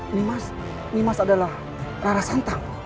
nimas adalah rara santang